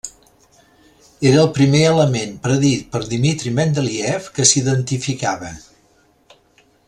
Era el primer element predit per Dmitri Mendeléiev que s'identificava.